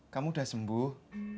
kamu udah sembuh